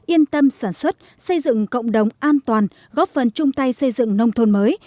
yên tâm sản xuất xây dựng cộng đồng an toàn góp phần chung tay xây dựng nông thôn mới